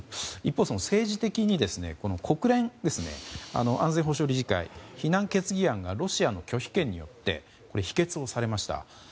一方、政治的に国連ですね安全保障理事会非難決議案がロシアの拒否権によって否決されました。